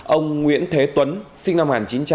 ông nguyễn thế tuấn sinh năm một nghìn chín trăm bảy mươi bốn